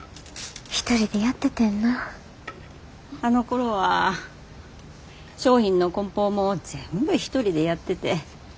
あのころは商品のこん包も全部一人でやってて。